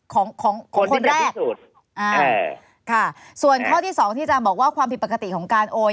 ของคนแรกค่ะส่วนข้อที่๒ที่จ้างบอกว่าความผิดปกติของการโอน